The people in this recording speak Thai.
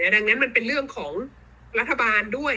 ดังนั้นมันเป็นเรื่องของรัฐบาลด้วย